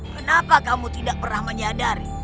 kenapa kamu tidak pernah menyadari